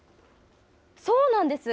そうなんです。